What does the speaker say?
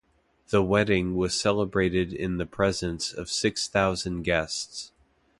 The wedding was celebrated in the presence of six thousand guests.